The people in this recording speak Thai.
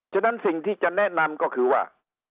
ฉะนั้นสิ่งที่จะแนะนำก็คือว่า